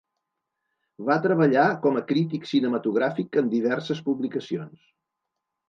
Va treballar com a crític cinematogràfic en diverses publicacions.